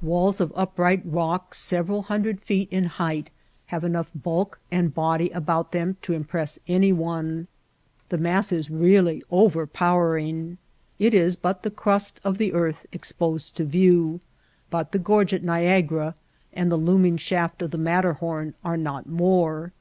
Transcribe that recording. Walls of upright rock several hun dred feet in height have enough bulk and body about them to impress anyone. The mass is really overpowering. It is but the crust of the earth exposed to view ; but the gorge at Ni agara and the looming shaft of the Matterhorn are not more.